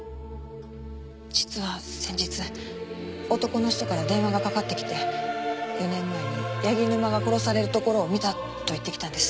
実は先日男の人から電話がかかってきて４年前に柳沼が殺されるところを見たと言ってきたんです。